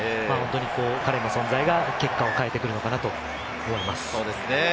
彼の存在が結果を変えてくるのだと思います。